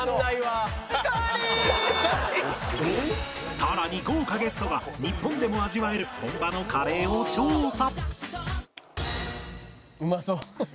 さらに豪華ゲストが日本でも味わえる本場のカレーを調査！